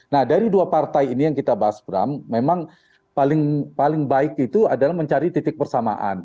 nah dari dua partai ini yang kita bahas bram memang paling baik itu adalah mencari titik persamaan